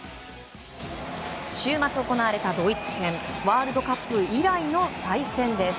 週末行われたドイツ戦ワールドカップ以来の再戦です。